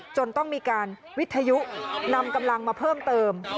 จนต้องมีการวิทยุนำกำลังมาเพิ่มเติม